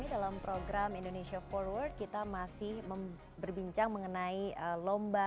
tetaplah bersama indonesia forward kami akan segera kembali